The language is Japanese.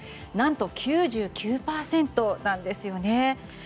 何と９９％なんですよね。